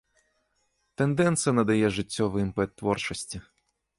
Тэндэнцыя надае жыццёвы імпэт творчасці.